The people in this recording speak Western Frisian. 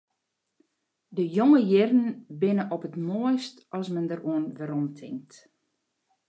De jonge jierren binne op it moaist as men deroan weromtinkt.